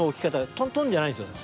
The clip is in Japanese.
トントンじゃないんですよね